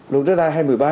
đối với đa hai mươi ba